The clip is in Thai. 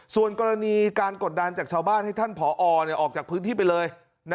ส่วนกรณีการกดดันจากชาวบ้านให้ท่านผอออกจากพื้นที่ไปเลย